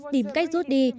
tìm cách rút đi